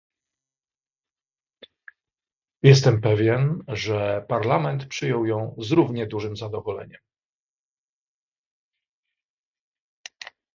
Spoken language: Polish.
Jestem pewien, że Parlament przyjął ją z równie dużym zadowoleniem